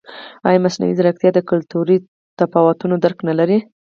ایا مصنوعي ځیرکتیا د کلتوري تفاوتونو درک نه لري؟